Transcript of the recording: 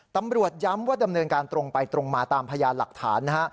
ตำรวจย้ำว่าดำเนินการตรงไปตรงมาตามพยานหลักฐานนะฮะ